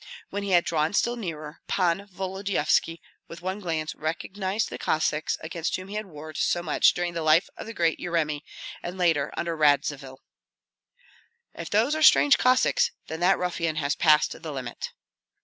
When he had drawn still nearer, Pan Volodyovski with one glance recognized the Cossacks against whom he had warred so much during the life of the great Yeremi, and later under Radzivill. "If those are strange Cossacks, then that ruffian has passed the limit."